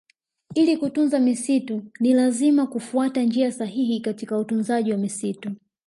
Ili kutunza misitu ni lazima kufuata njia sahihi katika utunzaji wa misitu